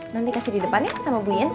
nanti kasih di depan yuk sama bu in